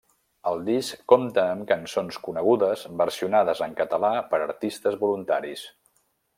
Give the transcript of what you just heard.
El disc compta amb cançons conegudes versionades en català per artistes voluntaris.